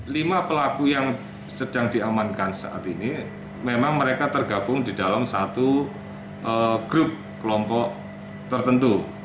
lima pelaku yang sedang diamankan saat ini memang mereka tergabung di dalam satu grup kelompok tertentu